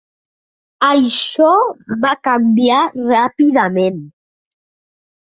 Això va canviar ràpidament.